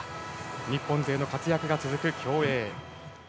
日本勢の活躍が続く競泳。